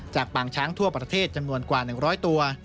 ปางช้างทั่วประเทศจำนวนกว่า๑๐๐ตัว